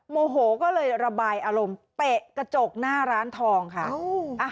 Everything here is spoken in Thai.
โมโหก็เลยระบายอารมณ์เปะกระจกหน้าร้านทองค่ะ